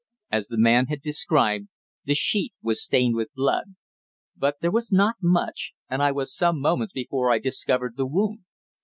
As the man had described, the sheet was stained with blood. But there was not much, and I was some moments before I discovered the wound.